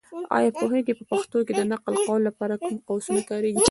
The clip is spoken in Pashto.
ایا پوهېږې؟ په پښتو کې د نقل قول لپاره کوم قوسونه کارېږي.